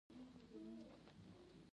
هغوی خپلې کورنۍ سره خوشحال ژوند کوي